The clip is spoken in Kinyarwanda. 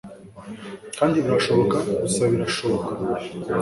kandi birashoboka, gusa birashoboka